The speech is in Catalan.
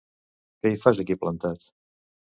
Què hi fas aquí plantat?